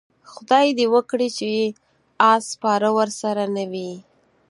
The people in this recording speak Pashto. خدای دې وکړي چې اس سپاره ورسره نه وي.